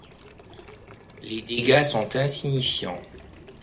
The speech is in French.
Les dégâts sont insignifiants.